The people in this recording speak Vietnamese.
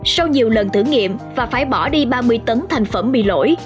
sau nhiều lần thử nghiệm và phải bỏ đi ba mươi tấn thành phẩm bị lỗi